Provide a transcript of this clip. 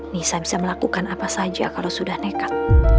nisa bisa melakukan apa saja kalau sudah nekat